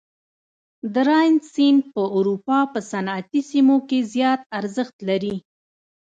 د راین سیند په اروپا په صنعتي سیمو کې زیات ارزښت لري.